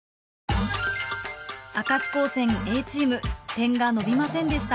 明石高専Ａチーム点が伸びませんでした。